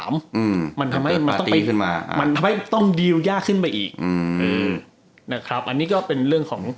มันทำให้ต้องดีลยากขึ้นไปอีกนะครับอันนี้ก็เป็นเรื่องของ